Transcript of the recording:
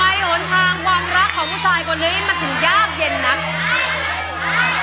หนทางความรักของผู้ชายคนนี้มันถึงยากเย็นนัก